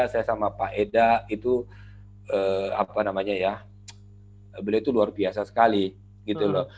saya sama pak eda itu apa namanya ya beliau itu luar biasa sekali gitu loh